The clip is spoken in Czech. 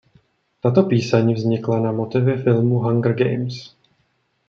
Tato píseň vznikla na motivy filmu Hunger Games.